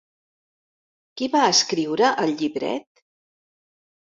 Qui va escriure el llibret?